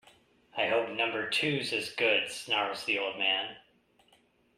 "I hope number two's as good" snarls the old man.